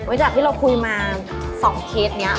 จากที่เราคุยมา๒เคสนี้